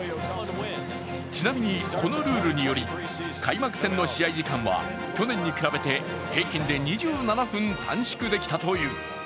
ちなみに、このルールにより開幕戦の試合時間は去年に比べて平均で２７分短縮できたという。